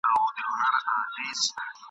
تل یې غوښي وي په خولو کي د لېوانو !.